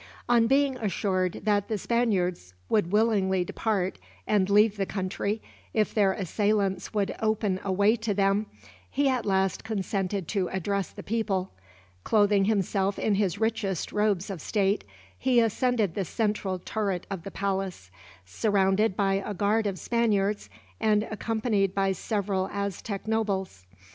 On being assured that the Spaniards would willingly depart, and leave the country, if their assailants would open a way to them, he at last consented to address the people. Clothing himself in his richest robes of state, he ascended the central turret of the palace; surrounded by a guard of Spaniards, and accompanied by several Aztec nobles.